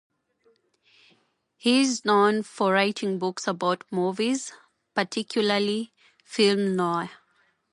He is known for writing books about movies, particularly film noir.